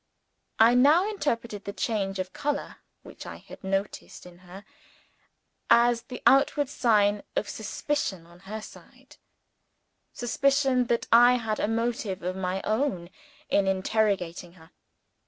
I now interpreted the change of color which I had noticed in her as the outward sign of suspicion on her side suspicion that I had a motive of my own in interrogating her.